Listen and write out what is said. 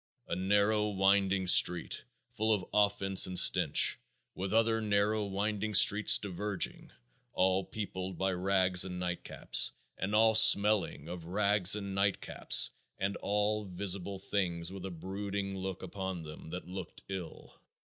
A narrow winding street, full of offense and stench, with other narrow winding streets diverging, all peopled by rags and nightcaps, and all smelling of rags and nightcaps, and all visible things with a brooding look upon them that looked ill.